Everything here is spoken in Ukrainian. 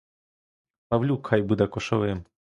Павлюк хай буде кошовим!